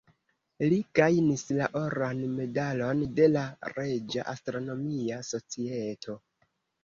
Li gajnis la Oran Medalon de la Reĝa Astronomia Societo.